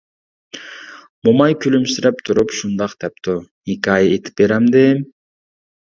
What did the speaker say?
موماي كۈلۈمسىرەپ تۇرۇپ شۇنداق دەپتۇ:-ھېكايە ئېيتىپ بېرەمدىم!